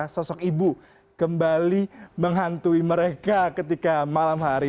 sosok ibu kembali menghantui mereka ketika malam hari